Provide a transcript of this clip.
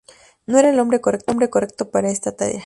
No era el hombre correcto para esta tarea.